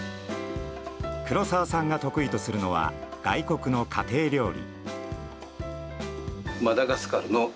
黒澤さんが得意とするのは外国の家庭料理。